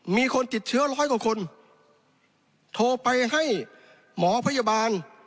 มีคนติดเชื้อร้อยกว่าคนโทรไปให้หมอพยาบาล